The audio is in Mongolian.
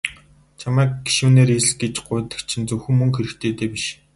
Чамайг гишүүнээр элс гэж гуйдаг чинь зөвхөн мөнгө хэрэгтэйдээ биш.